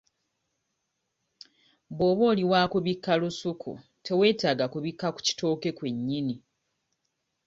Bw'oba oli wa kubikka lusuku teweetaaga kubikka ku kitooke kwe nnyini.